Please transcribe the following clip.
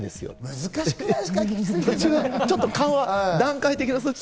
難しくないですか？